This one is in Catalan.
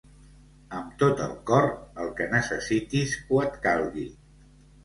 Amb tot el cor, el que necessitis o et calgui.